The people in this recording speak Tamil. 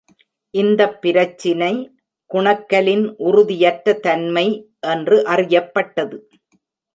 இந்தப் பிரச்சினை "குணக்கலின் உறுதியற்ற தன்மை" என்று அறியப்பட்டது.